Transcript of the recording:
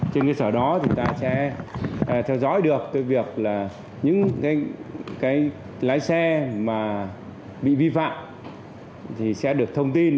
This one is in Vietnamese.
trên cơ sở đó chúng ta sẽ theo dõi được cái việc là những cái lái xe mà bị vi phạm thì sẽ được thông tin